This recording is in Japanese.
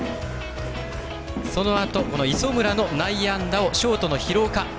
そのあと、磯村の内野安打をショートの廣岡。